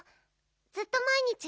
ずっとまいにち